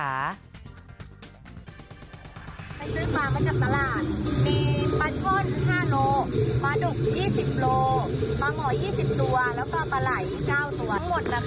ไปซื้อปลามาจากตลาดมีปลาช่อน๑๕โลปลาดุก๒๐โล